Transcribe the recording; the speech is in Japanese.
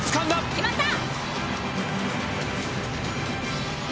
決まった！